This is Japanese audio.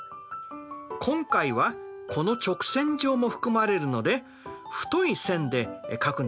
今回はこの直線上も含まれるので太い線で書くんでしたね。